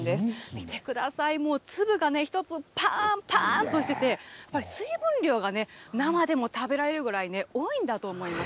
見てください、もう粒がね、一つ、ぱーんぱーんっとしてて、これ、水分量が生でも食べられるぐらい多いんだと思います。